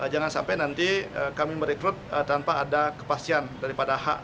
jangan sampai nanti kami merekrut tanpa ada kepastian daripada hak